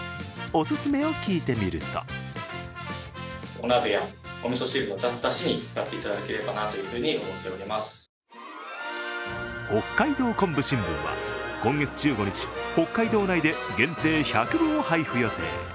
オススメを聞いてみると北海道昆布新聞は、今月１５日北海道内で限定１００部を配布予定。